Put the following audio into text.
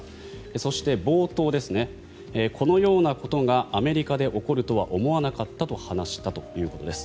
そして、冒頭このようなことがアメリカで起こるとは思わなかったと話したということです。